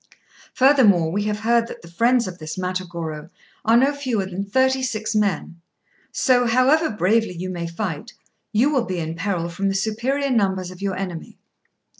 Furthermore, we have heard that the friends of this Matagorô are no fewer than thirty six men; so, however bravely you may fight, you will be in peril from the superior numbers of your enemy.